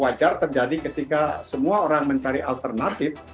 wajar terjadi ketika semua orang mencari alternatif